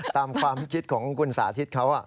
ตามความคิดของคุณสาธิตเขา